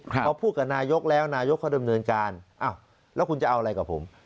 พอพูดกับนายกแล้วนายกเขาดำเนินการอ้าวแล้วคุณจะเอาอะไรกับผม